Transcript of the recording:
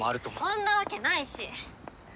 そんなわけないし！